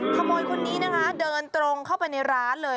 ขโมยคนนี้นะคะเดินตรงเข้าไปในร้านเลย